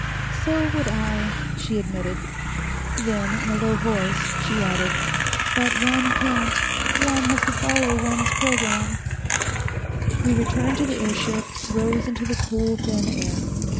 "So would I," she admitted. Then, in a low voice, she added, "But one can't. One has to follow one's program." We returned to the airship, raid rose into the cool, thin air.